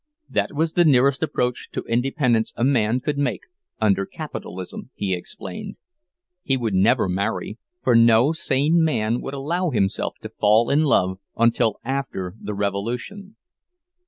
That was the nearest approach to independence a man could make "under capitalism," he explained; he would never marry, for no sane man would allow himself to fall in love until after the revolution.